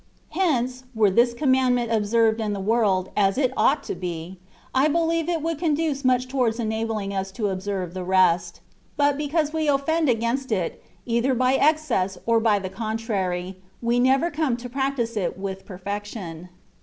Hence, were this commandment observed in the world, as it ought to be, I believe it would con duce much towards enabling us to observe the rest : but because we ofifend against it, either by excess or by the contrary, we never come to prac tise it with perfection.